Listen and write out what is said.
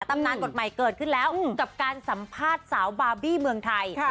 ตำนานบทใหม่เกิดขึ้นแล้วกับการสัมภาษณ์สาวบาร์บี้เมืองไทย